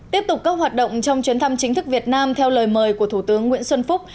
tiếp tục các hoạt động trong chuyến thăm chính thức việt nam theo lời mời của thủ tướng nguyễn xuân phúc